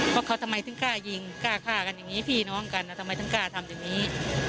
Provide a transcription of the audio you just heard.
เขาก็เขาทำไมทั้งกล้ายยิงกล้าการอย่างงี้พี่น้องกันเราทำไมทั้งกล้าทำอย่างงี้